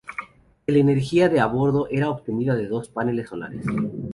El energía de a bordo era obtenida de dos paneles solares.